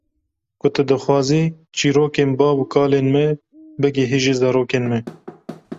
Ku tu dixwazî çirokên bav û kalên me bigihîje zarokên me.